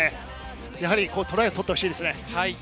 トライを取ってほしいですね。